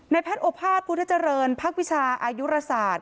แพทย์โอภาษพุทธเจริญพักวิชาอายุราศาสตร์